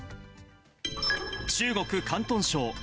中国・広東省。